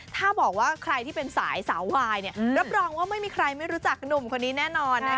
ถ้าบอกว่าใครที่เป็นสายสาววายรับรองว่าไม่มีใครไม่รู้จักหนุ่มคนนี้แน่นอน